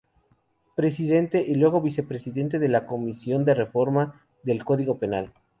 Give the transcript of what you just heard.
Presidente y luego vicepresidente de la comisión de reforma del Código Penal.